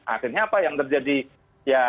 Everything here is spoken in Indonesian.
akhirnya apa yang terjadi ya